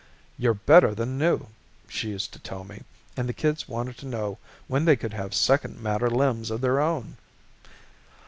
"You're better than new," she used to tell me and the kids wanted to know when they could have second matter limbs of their own.